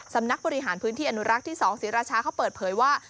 สำนักบริหารพื้นที่อนุรักษ์ที่๒ศรีราชาเขาเปิดเผยว่า